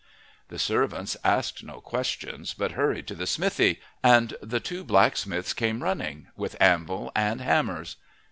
The servants asked no questions, but hurried to the smithy, and the two blacksmiths came running, with anvil and hammers.